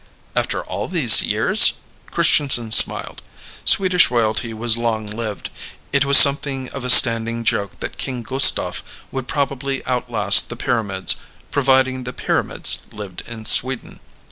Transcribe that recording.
"After all these years?" Christianson smiled. Swedish royalty was long lived. It was something of a standing joke that King Gustaf would probably outlast the pyramids, providing the pyramids lived in Sweden.